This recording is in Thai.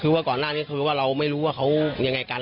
แต่ว่าก่อนหน้านี้ก็ไม่รู้ว่าเขายังไงกัน